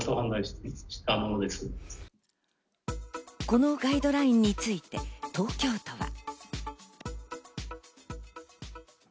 このガイドラインについて東京都は。